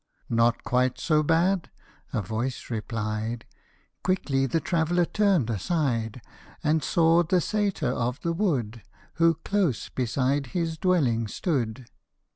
" Not quite so bad," a voice replied ; Quickly the traveller turn'd aside, And saw the satyr of the wood, Who close beside his dwelling stood.